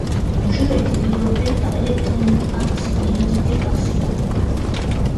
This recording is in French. Le jeu a été développé par Electronic Arts et édité par Sega.